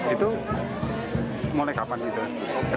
itu mulai kapan gitu